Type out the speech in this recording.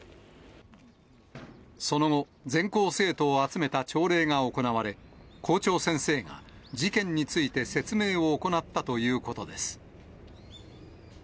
その後、全校生徒を集めた朝礼が行われ、校長先生が事件について説明を行ったということです。